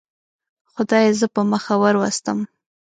خدای زه په مخه وروستم.